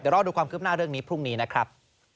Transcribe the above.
รอดูความคืบหน้าเรื่องนี้พรุ่งนี้นะครับ